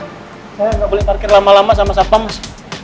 saya gak boleh parkir lama lama sama sapa mas